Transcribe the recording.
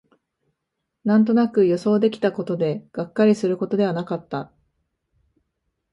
なんとなく予想できたことで、がっかりすることではなかった